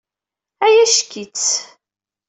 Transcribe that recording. Ay acek-itt!